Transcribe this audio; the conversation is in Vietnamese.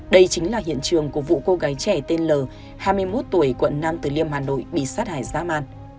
đây chính là hiện trường của vụ cô gái trẻ tên l hai mươi một tuổi quận nam tử liêm hà nội bị sát hại dã man